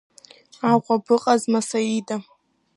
Аҟәа быҟазма, Саида?